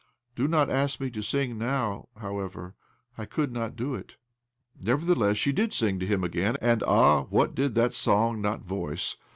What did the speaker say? Do not ask me to sing now, howievei' — I could not do it." Nevertheless she did sing to him again ; and, ah ! what did that song not voice